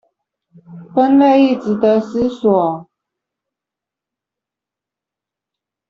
分類亦値得思索